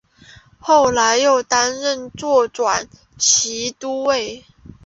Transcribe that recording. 后来又担任左转骑都尉。